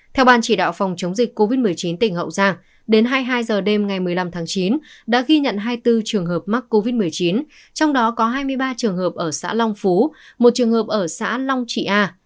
theo ban chỉ đạo phòng chống dịch covid một mươi chín tỉnh hậu giang đến hai mươi hai h đêm ngày một mươi năm tháng chín đã ghi nhận hai mươi bốn trường hợp mắc covid một mươi chín trong đó có hai mươi ba trường hợp ở xã long phú một trường hợp ở xã long trị a